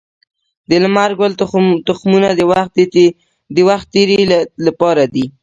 د لمر ګل تخمونه د وخت تیري لپاره دي.